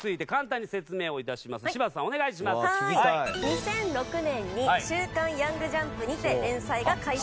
２００６年に『週刊ヤングジャンプ』にて連載が開始。